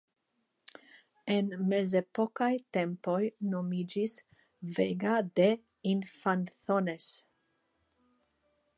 En mezepokaj tempoj nomiĝis Vega de Infanzones.